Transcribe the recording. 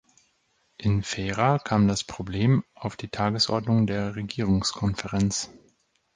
In Feira kam das Problem auf die Tagesordnung der Regierungskonferenz.